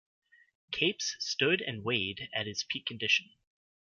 Capes stood and weighed at his peak condition.